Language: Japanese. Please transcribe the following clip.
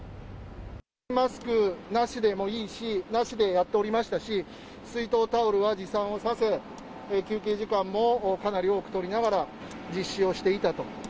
マスクなしでもいいし、なしでやっておりましたし、水筒、タオルは持参をさせ、休憩時間もかなり多くとりながら実施をしていたと。